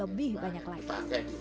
lebih banyak lagi